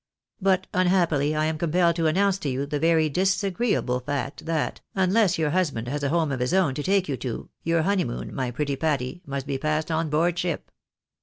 But unhappily I am compelled to announce to you the very disagreeable fact that, unless your husband has a home of his own to take you to, your honeymoon, my pretty Patty, must be passed on board ship."